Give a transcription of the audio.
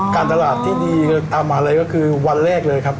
การตลาดที่ดีตามมาเลยก็คือวันแรกเลยครับ